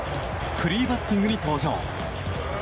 フリーバッティングに登場。